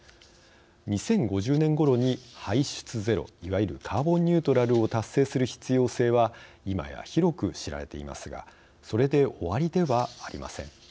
２０５０年ごろに排出ゼロいわゆるカーボンニュートラルを達成する必要性は今や広く知られていますがそれで終わりではありません。